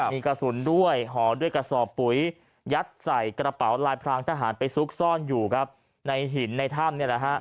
มีกระสุนด้วยห่อด้วยกระสอบปุ๋ยยัดใส่กระเป๋าลายพรางทหารไปซุกซ่อนอยู่ครับในหินในถ้ำนี่แหละฮะ